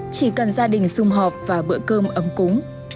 chỉ cần gia đình xung họp và bữa cơm ấm cúng